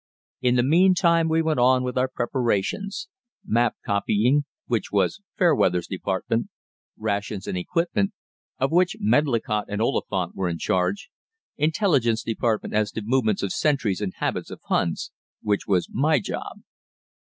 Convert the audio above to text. In the meantime we went on with our preparations: map copying (which was Fairweather's department), rations and equipment (of which Medlicott and Oliphant were in charge), intelligence department as to movements of sentries and habits of Huns (which was my job).